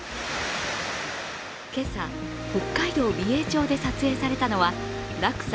今朝、北海道美瑛町で撮影されたのは落差